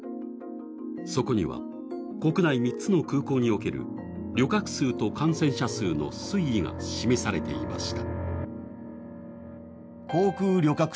そこには国内３つの空港における旅客数と感染者数の推移が示されていました。